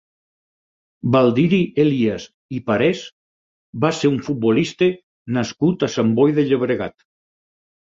Baldiri Elías i Parés va ser un futbolista nascut a Sant Boi de Llobregat.